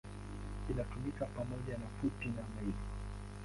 Inatumika pamoja na futi na maili.